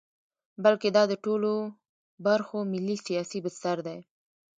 بلکې دا د ټولو برخو ملي سیاسي بستر دی.